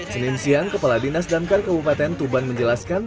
senin siang kepala dinas damkar kabupaten tuban menjelaskan